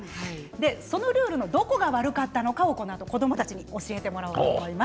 そのルールのどこが悪かったのかをこのあと子どもたちに教えてもらおうと思います。